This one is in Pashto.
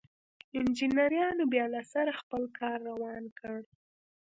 انجنيرانو بيا له سره خپل کار روان کړ.